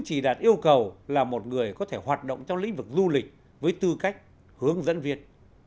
chỉ đạt yêu cầu là một người có thể hoạt động trong lĩnh vực du lịch với tư cách hướng dẫn viên